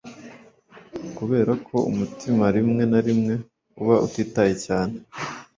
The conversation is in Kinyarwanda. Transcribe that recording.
kuberako umutima rimwe na rimwe uba utitaye cyane